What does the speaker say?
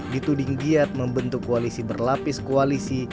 ditudinggiat membentuk koalisi berlapis koalisi